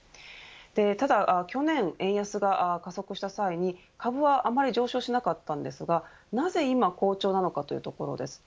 ただ去年、円安が加速した際に株はあまり上昇しなかったんですがなぜ今好調なのかというところです。